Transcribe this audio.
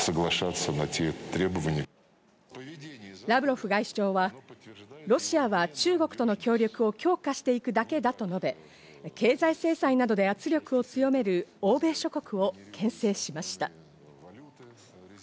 ラブロフ外相は、ロシアは中国との協力を強化していくだけだと述べ、経済制裁などで圧力を強める欧米諸国をけん制しました。